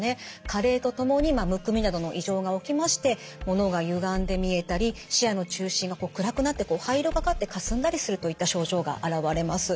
加齢とともにむくみなどの異常が起きましてものがゆがんで見えたり視野の中心が暗くなって灰色がかってかすんだりするといった症状が現れます。